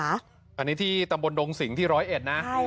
อันนี้ที่ตำบลดงสิงที่๑๐๑นะ